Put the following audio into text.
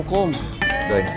enak kan ceritanya kang dadang